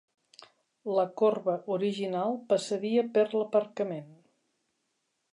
La corba original passaria per l'aparcament.